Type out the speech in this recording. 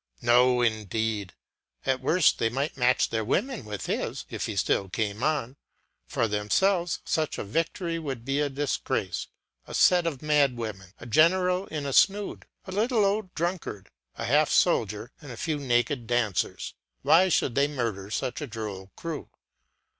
no, indeed; at worst they might match their women with his, if he still came on; for themselves such a victory would be a disgrace; a set of mad women, a general in a snood, a little old drunkard, a half soldier, and a few naked dancers; why should they murder such a droll crew?